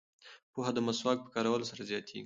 پوهه د مسواک په کارولو سره زیاتیږي.